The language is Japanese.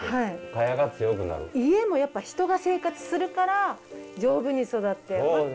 家もやっぱり人が生活するから丈夫に育って。